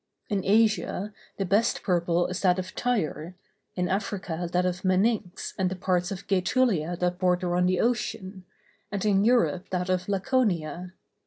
In Asia the best purple is that of Tyre, in Africa that of Meninx and the parts of Gætulia that border on the Ocean, and in Europe that of Laconia.